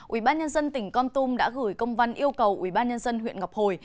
ubnd tỉnh con tum đã gửi công văn yêu cầu ubnd huyện ngọc hồi